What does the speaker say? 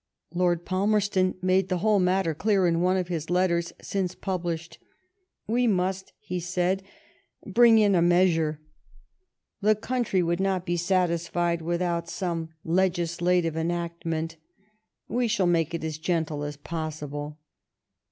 Lord Palmerston made the whole matter clear in one of his letters since published. " We must," he said, "bring in a measure. The country THE ECCLESIASTICAL TITLES BILL 1 51 would not be satisfied without some legislative enactment. We shall make it as gentle as pos sible."